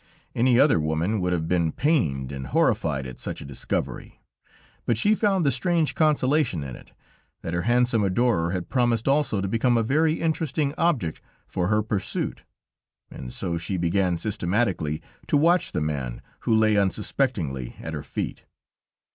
Any other woman would have been pained and horrified at such a discovery, but she found the strange consolation in it, that her handsome adorer had promised also to become a very interesting object for her pursuit, and so she began systematically to watch the man who lay unsuspectingly at her feet.